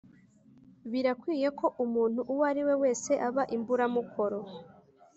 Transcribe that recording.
birakwiye ko umuntu uwo ari we wese aba imburamukoro,